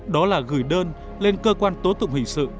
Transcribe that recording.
đó là gửi đơn lên cơ quan tố tụng hình sự